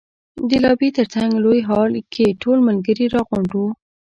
د لابي تر څنګ لوی هال کې ټول ملګري را غونډ وو.